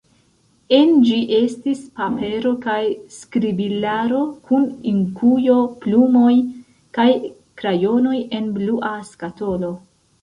En ĝi estis papero kaj skribilaro kun inkujo, plumoj kaj krajonoj en blua skatolo.